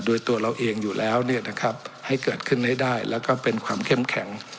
โดยตัวเราเองอยู่แล้วให้เกิดขึ้นให้ได้แล้วก็เป็นความเข้มแข็ง